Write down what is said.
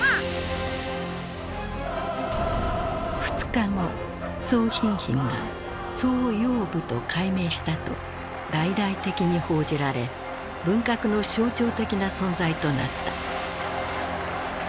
２日後宋彬彬が「宋要武」と改名したと大々的に報じられ文革の象徴的な存在となった。